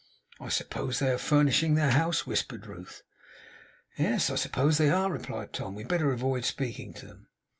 'I suppose they are furnishing their house,' whispered Ruth. 'Yes, I suppose they are,' replied Tom. 'We had better avoid speaking to them.